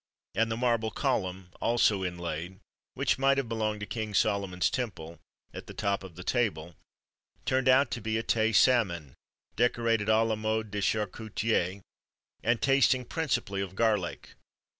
And the marble column (also inlaid) which might have belonged to King Solomon's Temple, at the top of the table, turned out to be a Tay salmon, decorated à la mode de charcutier, and tasting principally of garlic.